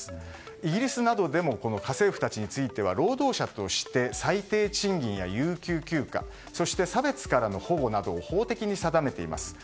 イギリスなどでも家政婦たちについては労働者として最低賃金や有給休暇そして、差別からの保護などを法的に定めています。